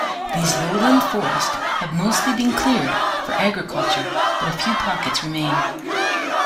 These lowland forests have mostly been cleared for agriculture, but a few pockets remain.